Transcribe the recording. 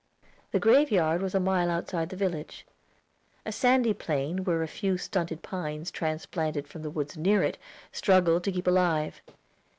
The graveyard was a mile outside the village a sandy plain where a few stunted pines transplanted from the woods near it struggled to keep alive.